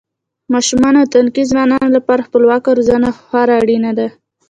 ماشومانو او تنکیو ځوانانو لپاره خپلواکه روزنه خورا اړینه ده.